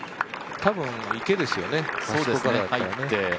多分、池ですよね。